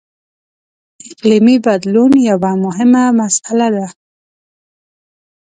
• اقلیمي بدلون یوه مهمه مسله ده.